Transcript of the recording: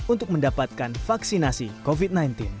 untuk mendapatkan vaksinasi covid sembilan belas